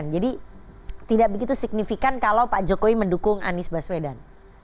jadi tidak begitu signifikan kalau pak jokowi mendukung anies baswedan